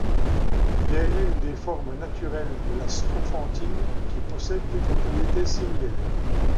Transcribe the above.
Il est l’une des formes naturelles de la strophantine, qui possèdent des propriétés similaires.